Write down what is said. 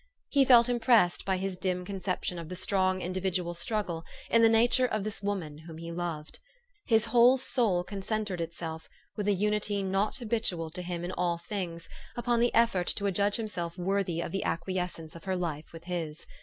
He felt impressed by his dim concep tion of the strong individual struggle in the nature of this woman whom he loved. His whole soul con centred itself, with a unity not habitual to him in all things, upon the effort to adjudge himself worthy of the acquiescence of her life with his.